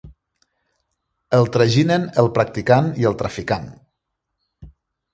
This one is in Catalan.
El traginen el practicant i el traficant.